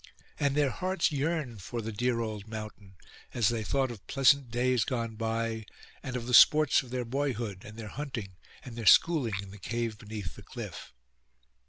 And their hearts yearned for the dear old mountain, as they thought of pleasant days gone by, and of the sports of their boyhood, and their hunting, and their schooling in the cave beneath the cliff.